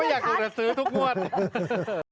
ไม่อยากถูกจะซื้อทุกมวด